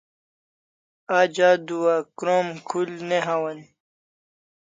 Aj adua krom khul ne hawan